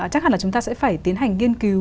chắc hẳn là chúng ta sẽ phải tiến hành nghiên cứu